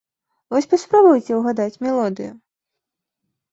Вось паспрабуйце угадаць мелодыю.